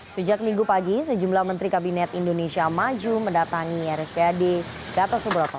sejak minggu pagi sejumlah menteri kabinet indonesia maju mendatangi rspad gatot subroto